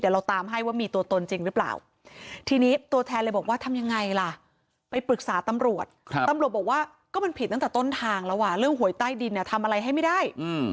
โดยใต้ดินทำอะไรให้ไม่ได้